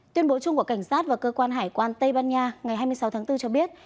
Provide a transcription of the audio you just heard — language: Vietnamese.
tuyên bố chung của cảnh sát và cơ quan hải quan tây ban nha ngày hai mươi sáu tháng bốn cho biết